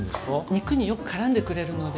肉によくからんでくれるので。